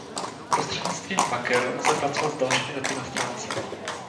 Prostřednictvím maker lze pracovat s dalšími daty na stránce.